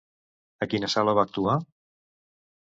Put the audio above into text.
A quina sala va actuar?